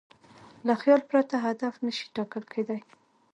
له خیال پرته هدف نهشي ټاکل کېدی.